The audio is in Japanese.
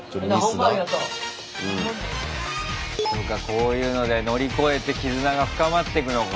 こういうので乗り越えて絆が深まってくのか。